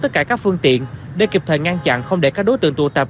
tất cả các phương tiện để kịp thời ngăn chặn không để các đối tượng tụ tập